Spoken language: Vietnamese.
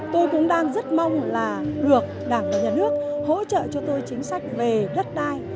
tôi cũng đang rất mong là được đảng và nhà nước hỗ trợ cho tôi chính sách về đất đai